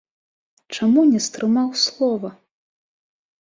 Чаму не стрымаў слова?